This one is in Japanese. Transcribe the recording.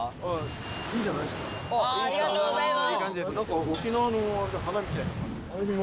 ありがとうございます！